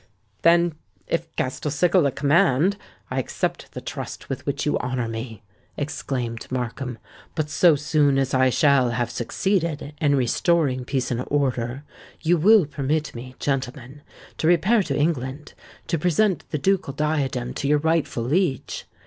"Then, if Castelcicala command, I accept the trust with which you honour me," exclaimed Markham; "but so soon as I shall have succeeded in restoring peace and order, you will permit me, gentlemen, to repair to England, to present the ducal diadem to your rightful liege.